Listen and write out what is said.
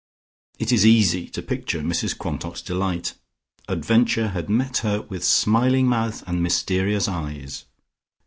It is easy to picture Mrs Quantock's delight; adventure had met her with smiling mouth and mysterious eyes.